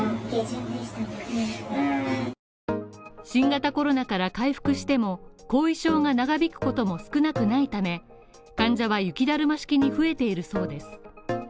新型コロナから回復しても後遺症が長引くことも少なくないため、患者は雪だるま式に増えているそうです。